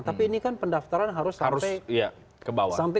tapi ini kan pendaftaran harus sampai